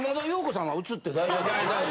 大丈夫。